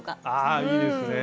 ああいいですね。